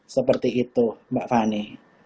seperti itu mbak fani